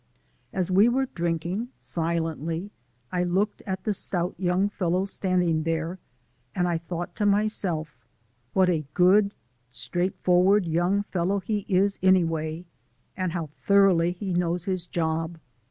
As we were drinking, silently, I looked at the stout young fellow standing there, and I thought to myself: What a good, straightforward young fellow he is anyway, and how thoroughly he knows his job.